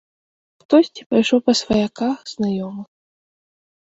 Хтосьці пайшоў па сваяках, знаёмых.